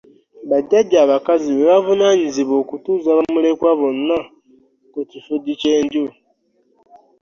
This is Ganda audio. Bajajja abakazi be bavunaanyizibwa okutuuza bamulekwa bonna ku kifugi ky’enju.